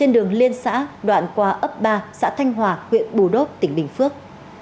bên xã đoạn qua ấp ba xã thanh hòa huyện bù đốc tỉnh bình phước